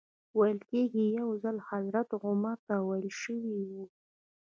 ویل کېږي یو ځل حضرت عمر ته ویل شوي و.